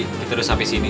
kita udah sampai sini